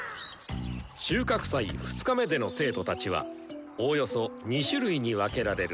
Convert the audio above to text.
収穫祭２日目での生徒たちはおおよそ２種類に分けられる。